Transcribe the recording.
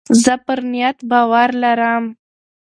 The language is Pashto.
زه پر نیت باور لرم.